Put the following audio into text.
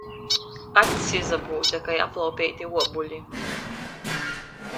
Acs izabūze kai aplaupeiti uobuli.